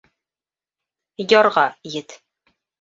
Ярға ет...